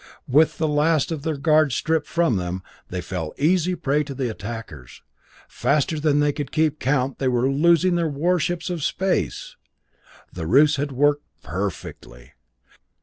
With the last of their guard stripped from them, they fell easy prey to the attackers. Faster than they could keep count they were losing their warships of space! The ruse had worked perfectly!